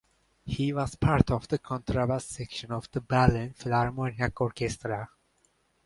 He was part of the contrabass section of the Berlin Philharmonic Orchestra.